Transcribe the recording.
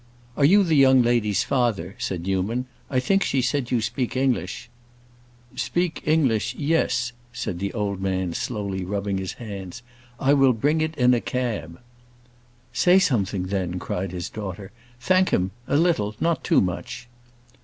"Are you the young lady's father?" said Newman. "I think she said you speak English." "Speak English—yes," said the old man slowly rubbing his hands. "I will bring it in a cab." "Say something, then," cried his daughter. "Thank him a little—not too much."